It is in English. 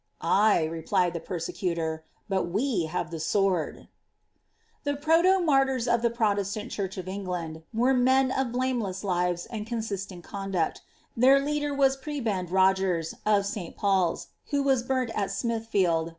" Aye," replied the persecutor; "but we have the aword,"' The proto martyrs of the Protestant church wf Eoglaiid were men of blameless lives and consistent conduct^ their leader was prebend Kogara, of St. Paul's, who was burnt at Smithtield.